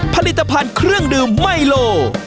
ผลิตภัณฑ์เครื่องดื่มไมโล